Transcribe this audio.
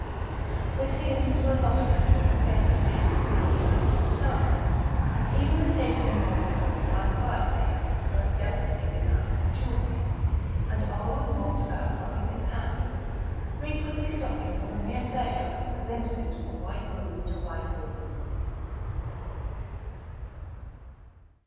The ceilings were lofty, and faintly painted with an old pattern of stars; even the tapering mouldings of his iron fireplace were as delicately designed as jewellery; and Oleron walked about rubbing his hands, frequently stopping for the mere pleasure of the glimpses from white room to white room....